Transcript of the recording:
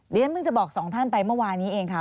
เดี๋ยวฉันเพิ่งจะบอกสองท่านไปเมื่อวานี้เองค่ะ